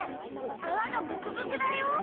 あわがブクブクだよ。